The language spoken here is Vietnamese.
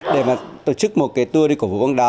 để mà tổ chức một cái tour đi cổ vũ bóng đá